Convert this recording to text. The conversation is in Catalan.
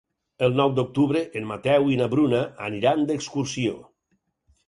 El nou d'octubre en Mateu i na Bruna aniran d'excursió.